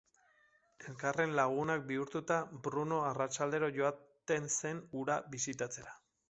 Elkarren lagunak bihurtuta, Bruno arratsaldero joaten zen hura bisitatzera.